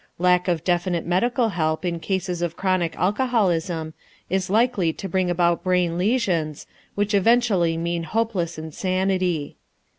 Lack of definite medical help in cases of chronic alcoholism is likely to bring about brain lesions, which eventually mean hopeless insanity.